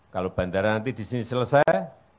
kalau bandara nanti di sini selesai